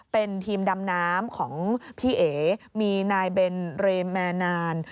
เป็นทีมดำน้ำของพี่เอ๋มีนายเบนเรมแมนาน